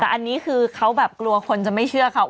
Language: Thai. แต่อันนี้คือเขาแบบกลัวคนจะไม่เชื่อเขา